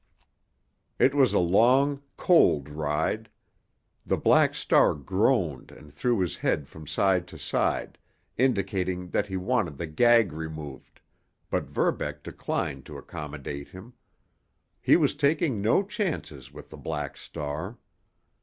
It was a long, cold ride. The Black Star groaned and threw his head from side to side, indicating that he wanted the gag removed, but Verbeck declined to accommodate him. He was taking no chances with the Black Star.